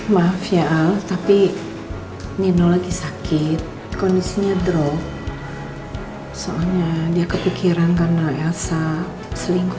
maaf ya al tapi nino lagi sakit kondisinya drop soalnya dia kepikiran karena elsa selingkuh